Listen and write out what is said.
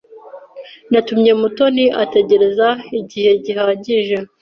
Natumye Mutoni ategereza igihe gihagije.